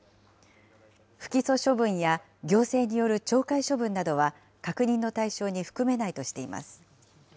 不起訴処分や行政による懲戒処分などは確認の対象に含めないとしています。